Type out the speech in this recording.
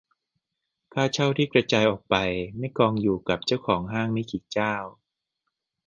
ค่าเช่าที่กระจายออกไป-ไม่กองอยู่กับเจ้าของห้างไม่กี่เจ้า